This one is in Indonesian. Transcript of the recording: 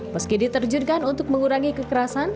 meski diterjunkan untuk mengurangi kekerasan